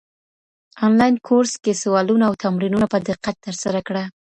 انلاين کورس کي سوالونه او تمرینونه په دقت ترسره کړه.